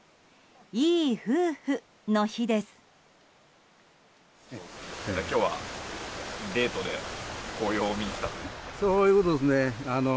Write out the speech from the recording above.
いい夫婦の日です。